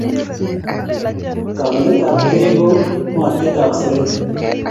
Kagiletab gei ko ung'otiet ab siret